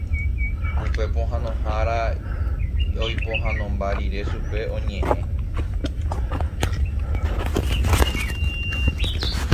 Upe pohãnohára oipohãnomba rire chupe oñe'ẽ.